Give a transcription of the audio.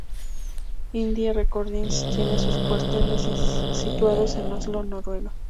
Indie Recordings tiene sus "cuarteles" situados en Oslo, Noruega.